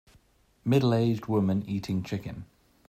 Middleaged woman eating chicken.